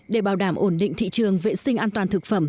để bảo đảm ổn định thị trường vệ sinh an toàn thực phẩm